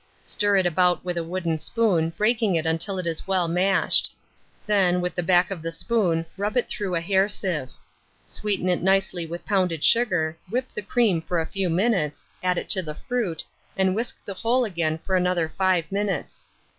Stir it about with a wooden spoon, breaking it until it is well mashed; then, with the back of the spoon, rub it through a hair sieve. Sweeten it nicely with pounded sugar; whip the cream for a few minutes, add it to the fruit, and whisk the whole again for another 5 minutes.